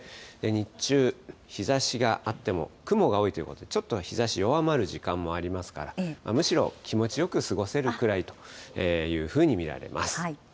日中、日ざしがあっても雲が多いということで、ちょっと日ざし、弱まる時間もありますから、むしろ気持ちよく過ごせるくらいというふうに見られます。